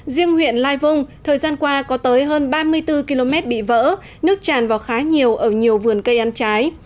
riêng huyện lai vung thời gian qua có tới hơn ba mươi bốn km bị vỡ nước tràn vào khá nhiều ở nhiều vườn cây ăn trái